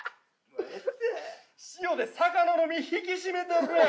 塩で魚の身引き締めてるやん。